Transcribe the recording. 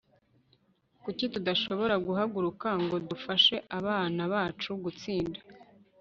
kuki tudashobora guhaguruka ngo dufashe abana bacu gutsinda